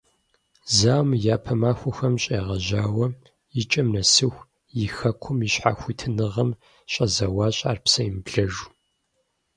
Зауэм и япэ махуэхэм щегъэжьауэ икӀэм нэсыху и хэкум и щхьэхуитыныгъэм щӀэзэуащ ар псэемыблэжу.